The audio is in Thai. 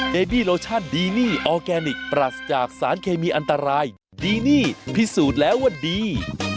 เบบี้โลชั่นดีนี่ออร์แกนิคปรัสจากสารเคมีอันตรายดีนี่พิสูจน์แล้วว่าดี